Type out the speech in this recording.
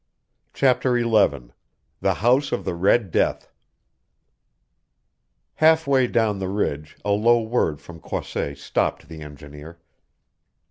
CHAPTER XI THE HOUSE OF THE RED DEATH Half way down the ridge a low word from Croisset stopped the engineer.